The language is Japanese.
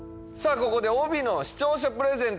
ここで帯の視聴者プレゼント